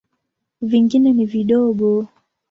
Vingine ni vidogo.